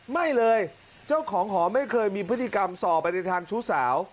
ไม่เลยเจ้าของหอไม่เคยมีพฤติกรรมส่อไปในทางชู้สาว